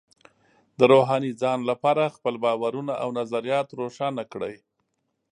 د روحاني ځان لپاره خپل باورونه او نظریات روښانه کړئ.